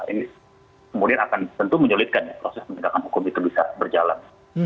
ini kemudian akan tentu menyulitkan ya proses penegakan hukum itu bisa berjalan